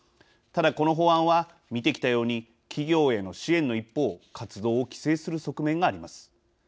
ただこの法案は、見てきたように企業への支援の一方活動を規制する側面があります。